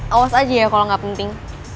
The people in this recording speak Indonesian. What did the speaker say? awas aja ya kalo gak penting